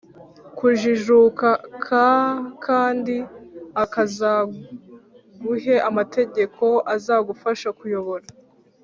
kujijuka k kandi azaguhe amategeko azagufasha kuyobora